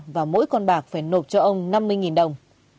và mỗi con bạc phải nộp cho ông năm mươi đồng